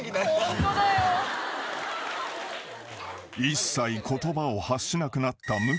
［一切言葉を発しなくなった向井］